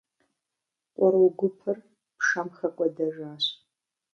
Къру гупыр пшэм хэкӏуэдэжащ.